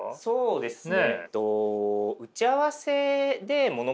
そうっすね！